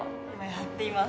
やっています。